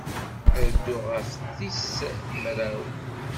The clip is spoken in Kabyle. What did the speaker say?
Ad dduɣ ɣef tis mraw.